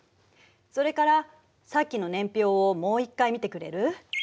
それからさっきの年表をもう一回見てくれる？